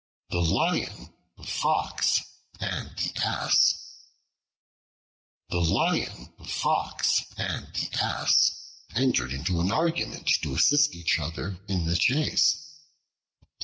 The Lion, the Fox, and the Ass THE LION, the Fox and the Ass entered into an agreement to assist each other in the chase.